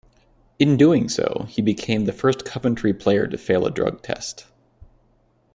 In doing so, he became the first Coventry player to fail a drug test.